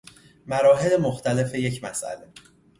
مراحل مختلف یک مسئله